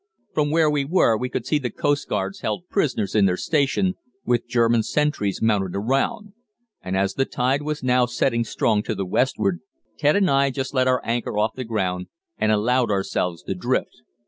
From where we were we could see the coastguards held prisoners in their station, with German sentries mounted around; and as the tide was now setting strong to the westward, Ted and I just let our anchor off the ground and allowed ourselves to drift.